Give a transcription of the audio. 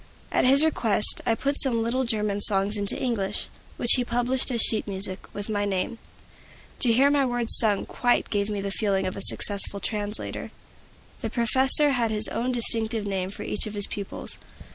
At his request, I put some little German songs into English, which he published as sheet music, with my name. To hear my words sung quite gave me the feeling of a successful translator. The professor had his own distinctive name for each of his pupils.